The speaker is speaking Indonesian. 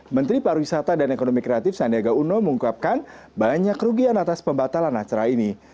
menteri pariwisata dan ekonomi kreatif sandiaga uno mengungkapkan banyak kerugian atas pembatalan acara ini